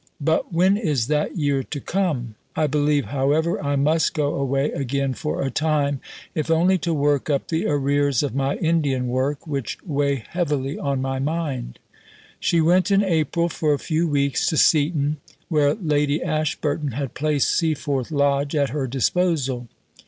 But when is that year to come? I believe, however, I must go away again for a time, if only to work up the arrears of my Indian work, which weigh heavily on my mind." She went in April for a few weeks to Seaton, where Lady Ashburton had placed Seaforth Lodge at her disposal.